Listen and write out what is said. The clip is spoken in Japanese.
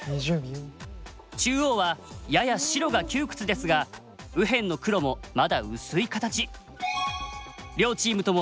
中央はやや白が窮屈ですが右辺の黒もまだ薄い形。